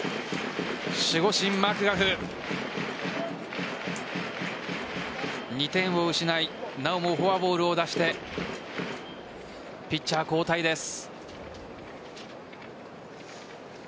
守護神・マクガフ２点を失いなおもフォアボールを出してピッチャー交代です。